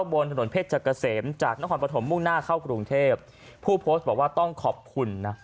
บนถนนเพชรเกษมจากนครปฐมมุ่งหน้าเข้ากรุงเทพผู้โพสต์บอกว่าต้องขอบคุณนะ